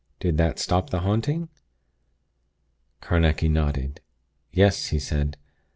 "Did that stop the haunting?" Carnacki nodded. "Yes," he said.